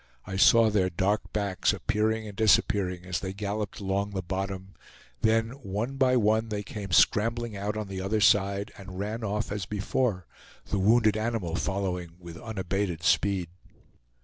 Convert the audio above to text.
I saw their dark backs appearing and disappearing as they galloped along the bottom; then, one by one, they came scrambling out on the other side and ran off as before, the wounded animal following with unabated speed.